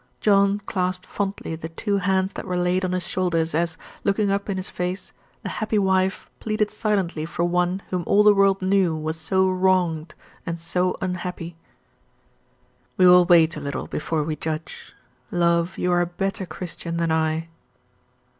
John clasped fondly the two hands that were laid on his shoulders, as, looking up in his face, the happy wife pleaded silently for one whom all the world knew was so wronged and so unhappy. "We will wait a little before we judge. Love, you are a better Christian than I."